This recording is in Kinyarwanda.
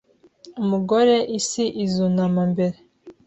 Umugore isi izunama mbere